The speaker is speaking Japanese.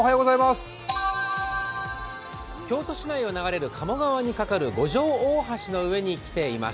京都市内を流れる鴨川にかかる五条大橋の上に来ています。